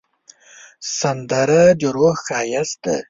سندره د روح ښایست دی